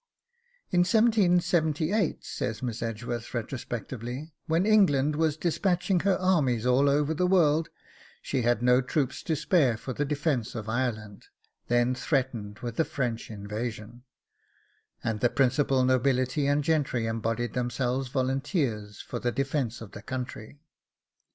In 1778, says Miss Edgeworth retrospectively, when England was despatching her armies all over the world, she had no troops to spare for the defence of Ireland then threatened with a French invasion; and the principal nobility and gentry embodied themselves volunteers for the defence of the country.